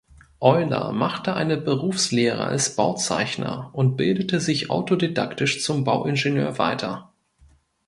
Euler machte eine Berufslehre als Bauzeichner und bildete sich autodidaktisch zum Bauingenieur weiter.